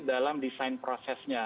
dalam desain prosesnya